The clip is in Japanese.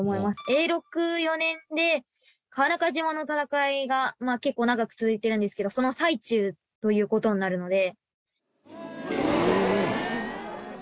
永禄４年で川中島の戦いが結構長く続いてるんですけどその最中という事になるので。